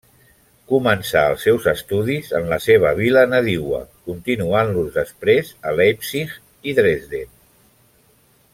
Començà els seus estudis en la seva vila nadiua continuant-los després a Leipzig i Dresden.